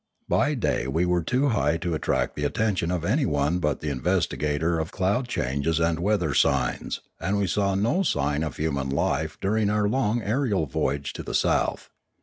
By day we were too high to attract the attention of anyone but the investigator of cloud changes and weather signs, and we saw no sign of human life during our long aerial voyage to the south.